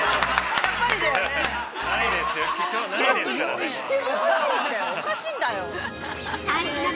◆やっぱりだよね。